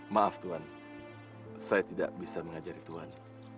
maaf tuhan saya tidak bisa mengajari tuhan